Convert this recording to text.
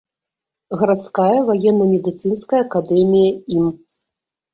Гарадская ваенна-медыцынская акадэмія ім.